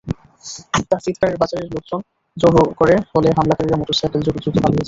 তাঁর চিৎকারের বাজারের লোকজন জড়ো হলে হামলাকারীরা মোটরসাইকেলযোগে দ্রুত পালিয়ে যান।